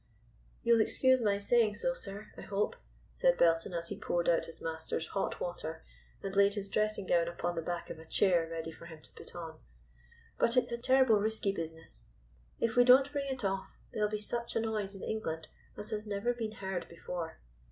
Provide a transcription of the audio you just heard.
"You'll excuse my saying so, sir, I hope," said Belton, as he poured out his master's hot water and laid his dressing gown upon the back of a chair, ready for him to put on, "but it's a terrible risky business. If we don't bring it off, there'll be such a noise in England as has never been heard before.